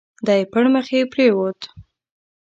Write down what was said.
دی پړمخي پرېووت.